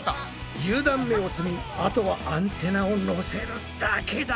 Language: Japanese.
１０段目を積みあとはアンテナをのせるだけだ。